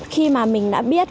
khi mà mình đã biết